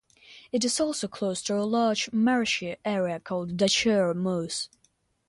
It is also close to a large marshy area called Dachauer Moos.